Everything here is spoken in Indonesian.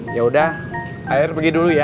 yaudah akhirnya pergi dulu ya